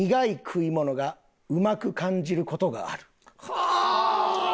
はあ！